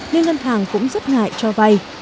nên ngân hàng cũng rất ngại cho vay